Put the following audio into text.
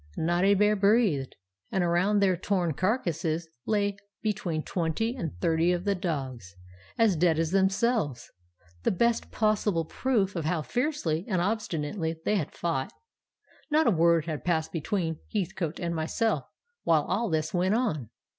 Not a bear breathed, and around their torn carcasses lay between twenty and thirty of the dogs, as dead as themselves—the best possible proof of how fiercely and obstinately they had fought. "Not a word had passed between Heathcote and myself while all this went on.